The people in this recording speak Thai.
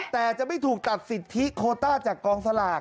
แต่จะไม่ถูกตัดสิทธิโคต้าจากกองสลาก